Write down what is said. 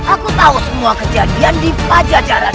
aku tahu semua kejadian di pajajaran